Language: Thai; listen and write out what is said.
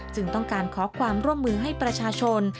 จึงต้องการขอความร่วมมือให้ประชาชน